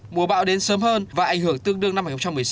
mùa bão đến sớm hơn và ảnh hưởng tương đương năm hai nghìn một mươi sáu